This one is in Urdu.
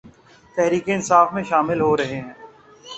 تحریک انصاف میں شامل ہورہےہیں